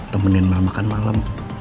temenin mel makan malam